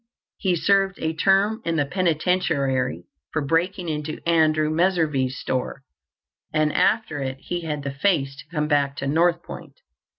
He served a term in the penitentiary for breaking into Andrew Messervey's store, and after it he had the face to come back to North Point.